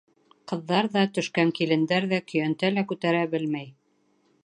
Ҡыҙҙар ҙа, төшкән килендәр ҙә көйәнтә лә күтәрә белмәй.